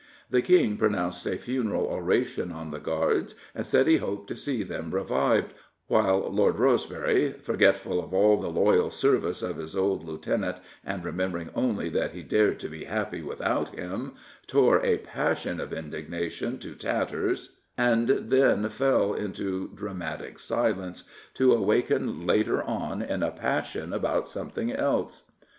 The King pro nounced a funeral oration on the Guards and said he hoped to see them revived, while Lord Rosebery — forgetful of all the loyal service of his old lieutenant and remembering only that he dared to be happy without him — tore a passion of indignation to tatters and then fell into dramatic silence, to awaken later on in a passion about something else.